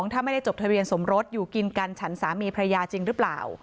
ถ้าไม่ได้จดทะเบียนสมรสอยู่กินกันฉันสามีพระยาจริงหรือเปล่า